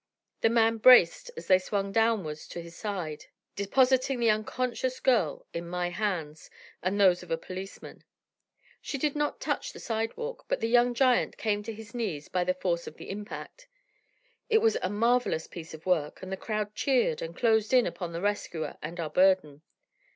The man braced as they swung downward to his side, depositing the unconscious girl in my hands and those of a policeman. She did not touch the sidewalk, but the young giant came to his knees by the force of the impact. It was a marvellous piece of work and the crowd cheered and closed in upon the rescuer and our burden.